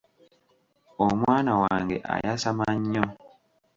Omwana wange ayasama nnyo.